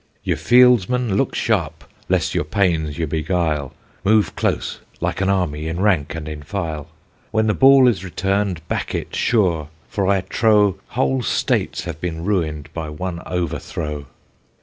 Ye fieldsmen, look sharp, lest your pains ye beguile; Move close, like an army, in rank and in file, When the ball is return'd, back it sure, for I trow Whole states have been ruin'd by one overthrow.